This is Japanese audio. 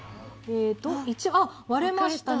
割れましたね。